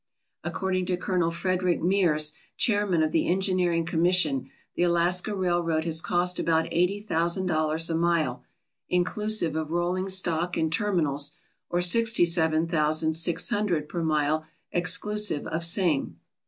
According to Colonel Frederick Mears, chairman of the Engineering Commission, the Alaska railroad has cost about eighty thousand dollars a mile, inclusive of rolling stock and terminals, or sixty seven thousand, six hundred per mile exclusive of same.